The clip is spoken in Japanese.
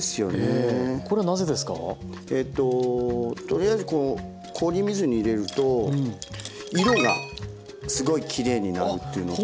とりあえずこう氷水に入れると色がすごいきれいになるというのと。